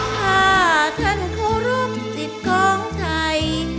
ถ้าท่านขอรับจิตของไทย